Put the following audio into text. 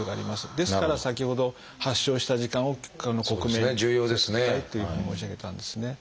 ですから先ほど発症した時間を克明にしておきたいっていうふうに申し上げたんですね。